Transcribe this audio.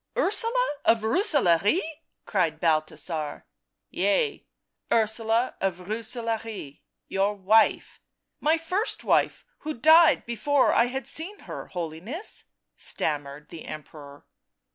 "Ursula of Rooselaare!" cried Balthasar. " Yea, Ursula of Rooselaare, your wife." " My first wife who died before I had seen her, Holiness," stammered the Emperor.